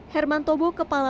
herman tobo kepala kepalaan